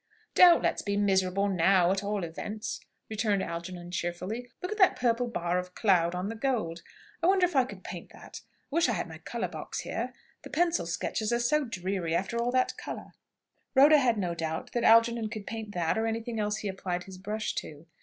"Don't let's be miserable now, at all events," returned Algernon cheerfully. "Look at that purple bar of cloud on the gold! I wonder if I could paint that. I wish I had my colour box here. The pencil sketches are so dreary after all that colour." Rhoda had no doubt that Algernon could paint "that," or anything else he applied his brush to.